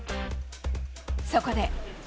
そこで。